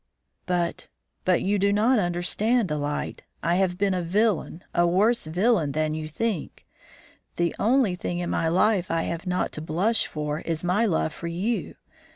"But but you do not understand, Delight. I have been a villain, a worse villain than you think. The only thing in my life I have not to blush for is my love for you.